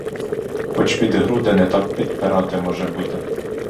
Хоч під груди не так підпирати, може, буде.